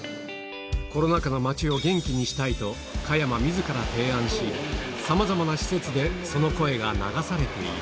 コロナ禍の街を元気にしたいと、加山みずから提案し、さまざまな施設でその声が流されている。